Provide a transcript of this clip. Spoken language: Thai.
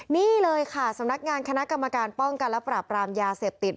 นี่เลยค่ะสำนักงานคณะกรรมการป้องกันและปราบรามยาเสพติด